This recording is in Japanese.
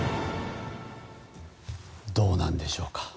どうなんでしょうか。